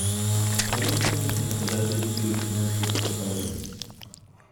Flemington is devoted to commercial developments.